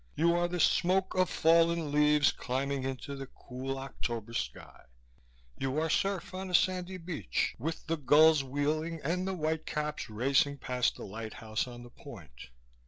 You are the smoke of fallen leaves climbing into the cool October sky. You are surf on a sandy beach, with the gulls wheeling and the white caps racing past the lighthouse on the point.